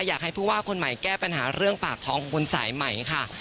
อยากให้ผู้ว่าคนใหม่แก้ปัญหาเรื่องปากท้องของคนสายใหม่ค่ะ